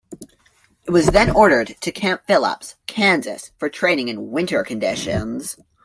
It was then ordered to Camp Phillips, Kansas for training in winter conditions.